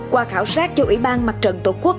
qua khảo sát cho ủy ban mặt trận tổ quốc